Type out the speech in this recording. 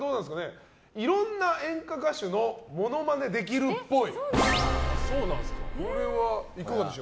いろんな演歌歌手のモノマネできるっぽい。